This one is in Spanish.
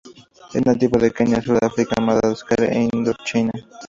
Es nativo de Kenia, Sur de África, Madagascar e Indochina.